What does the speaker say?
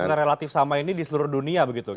yang relatif sama ini di seluruh dunia begitu